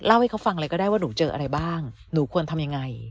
ให้เขาฟังเลยก็ได้ว่าหนูเจออะไรบ้างหนูควรทำยังไง